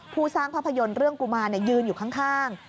สร้างภาพยนตร์เรื่องกุมารยืนอยู่ข้าง